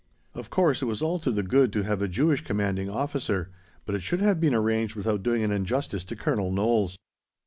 Of course, it was all to the good to have a Jewish Commanding Officer, but it should have been arranged without doing an injustice to Colonel Knowles.